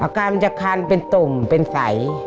กายมันจะคันเป็นตุ่มเป็นใส